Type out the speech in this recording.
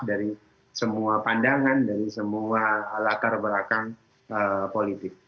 dari semua pandangan dari semua latar belakang politik